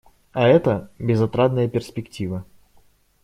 А это − безотрадная перспектива.